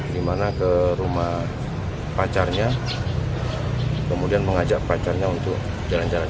di mana ke rumah pacarnya kemudian mengajak pacarnya untuk jalan jalan